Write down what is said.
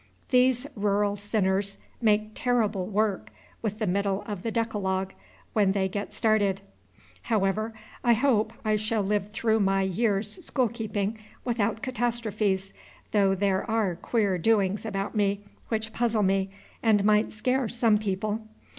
These rural sinners make terrible work with the middle of the Decalogue, when they get started. However, I hope I shall live through my year's school keeping without catastrophes, though there are queer doings about me which puzzle me and might scare some people.